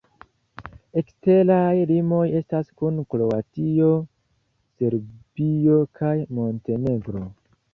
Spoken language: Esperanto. Eksteraj limoj estas kun Kroatio, Serbio kaj Montenegro.